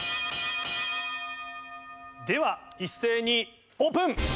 では一斉にオープン！